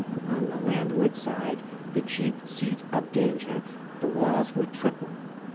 On the landward side, the chief seat of danger, the walls were triple.